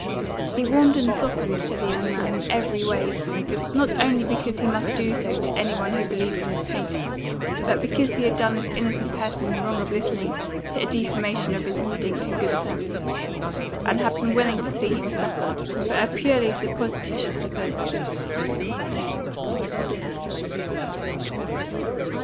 He warmed and softened to the young man in every way, not only because he must do so to any one who believed in his paint, but because he had done this innocent person the wrong of listening to a defamation of his instinct and good sense, and had been willing to see him suffer for a purely supposititious offence.